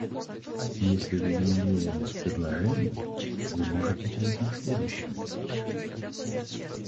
Если вы не уверены в предложении, вы можете перейти к следующему.